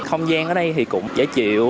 thông gian ở đây cũng dễ chịu